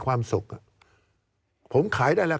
การเลือกตั้งครั้งนี้แน่